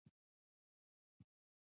هندوکش په هنري اثارو کې منعکس کېږي.